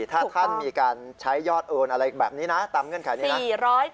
ถ้าท่านมีการใช้ยอดโอนอะไรแบบนี้นะตามเงื่อนไขนี้นะ